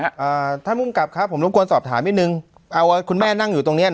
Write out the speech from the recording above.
อ่าท่านภูมิกับครับผมรบกวนสอบถามนิดนึงเอาคุณแม่นั่งอยู่ตรงเนี้ย